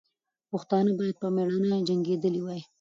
پښتانه باید په میړانه جنګېدلي وای.